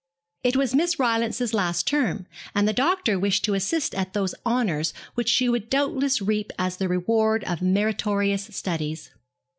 It was Miss Rylance's last term, and the doctor wished to assist at those honours which she would doubtless reap as the reward of meritorious studies.